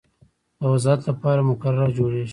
د وضاحت لپاره مقرره جوړیږي.